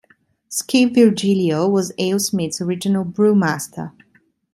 Skip Virgilio was AleSmith's original brewmaster.